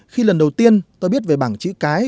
khi lần đầu tiên tôi biết về bảng chữ cái